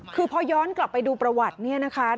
คือพอย้อนกลับไปดูประวัติเนี่ยนะคะ